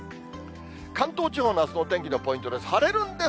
関東地方のあすのお天気のポイントです。